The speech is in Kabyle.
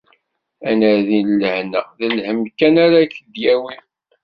Anadi n lehna, d lhemm kan ara k-d-yawi.